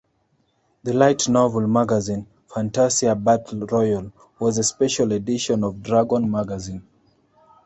The light novel magazine "Fantasia Battle Royal" was a special edition of "Dragon Magazine".